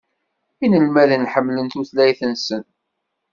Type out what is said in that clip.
Inelmaden ḥemmlen tutlayt-nsen.